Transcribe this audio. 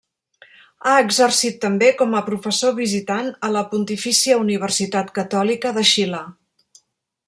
Ha exercit també com a professor visitant a la Pontifícia Universitat Catòlica de Xile.